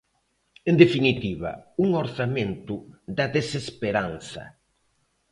En definitiva, un orzamento da desesperanza.